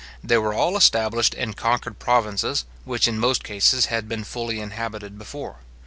They were all established in conquered provinces, which in most cases had been fully inhabited before.